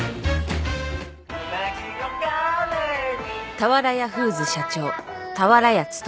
俵屋フーズ社長俵屋勤。